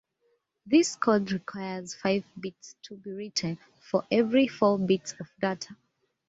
This code requires five bits to be written for every four bits of data.